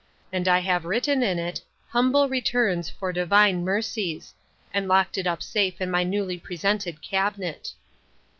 —And I have written in it, Humble RETURNS for DIVINE MERCIES; and locked it up safe in my newly presented cabinet.